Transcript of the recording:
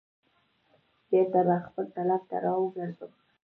بیرته به خپل طلب ته را وګرځم.